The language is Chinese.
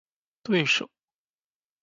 对手